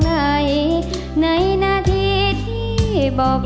ร้อง